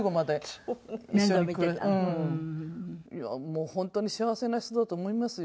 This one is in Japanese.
もう本当に幸せな人だと思いますよ。